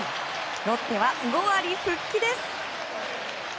ロッテは５割復帰です。